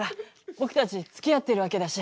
僕たちつきあってるわけだし。